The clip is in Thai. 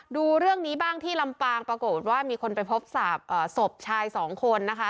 ดูเรื่องนี้บ้างที่ลำปางปรากฏว่ามีคนไปพบศพชายสองคนนะคะ